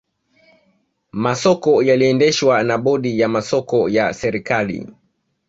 masoko yaliendeshwa na bodi ya masoko ya serikali